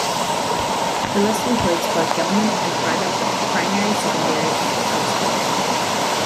The list includes both government and private primary, secondary and tertiary schools.